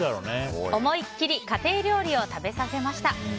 思いっきり家庭料理を食べさせました。